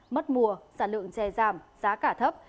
mất mùa sản lượng trẻ giảm giá cả thấp